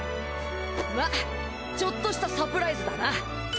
まっちょっとしたサプライズだな。